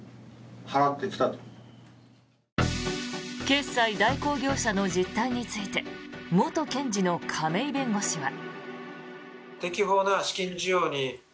決済代行業者の実態について元検事の亀井弁護士は。